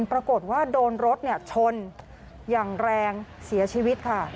ปรากฏว่าโดนรถชนอย่างแรงเสียชีวิตค่ะ